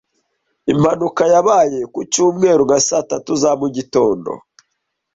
Impanuka yabaye ku cyumweru nka saa tatu za mugitondo.